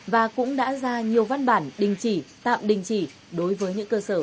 và cũng đã ra nhiều văn bản đình chỉ tạm đình chỉ đối với những cơ sở